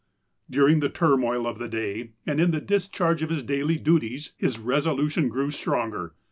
During (he turmoil of the day, and in the discharge of his daily dulii'S, his resolution grew stronger.